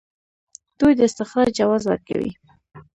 دوی د استخراج جواز ورکوي.